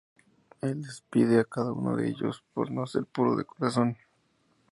Él despide a cada uno de ellos por no ser puro de corazón.